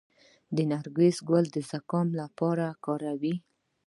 د نرګس ګل د زکام لپاره وکاروئ